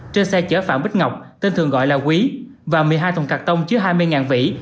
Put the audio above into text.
trên xe chở phạm bích ngọc tên thường gọi là quý và một mươi hai thùng cắt tông chứa hai mươi vỉ